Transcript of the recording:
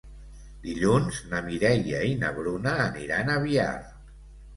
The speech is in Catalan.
Dilluns na Mireia i na Bruna aniran a Biar.